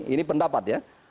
ini pendapat ya